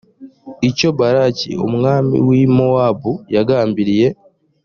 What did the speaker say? nicyo balaki umwami w’ i mowabu yagambiriye